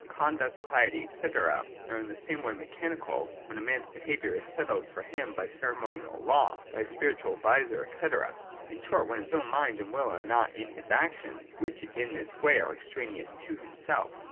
Conduct, piety, &c. are in the same way mechanical, when a man's behaviour is settled for him by ceremonial laws, by a spiritual adviser, &c. ; 195 ] MECHANISM. 337 in short, when his own mind and will are not in his actions, which in this way are extraneous to himself.